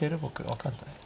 分かんない。